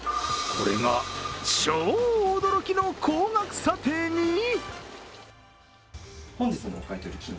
これが超驚きの高額査定に。